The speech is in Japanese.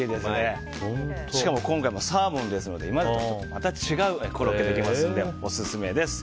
しかも今回サーモンですので今までとはまた違うコロッケができますので、オススメです。